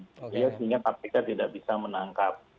sehingga kpk tidak bisa menangkap